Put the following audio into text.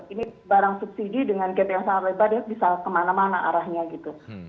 ini barang subsidi dengan gap yang sangat lebar ya bisa kemana mana arahnya gitu